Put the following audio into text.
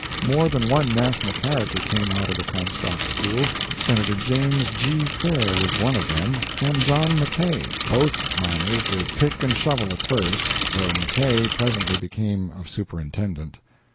More than one national character came out of the Comstock school. Senator James G. Fair was one of them, and John Mackay, both miners with pick and shovel at first, though Mackay presently became a superintendent.